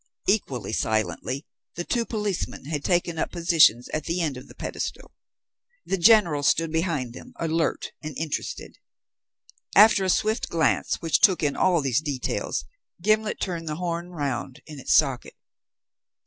Equally silently the two policemen had taken up positions at the end of the pedestal; the General stood behind them, alert and interested. After a swift glance, which took in all these details, Gimblet turned the horn round in its socket.